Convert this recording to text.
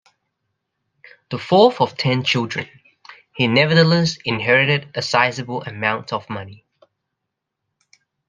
The fourth of ten children, he nevertheless inherited a sizable amount of money.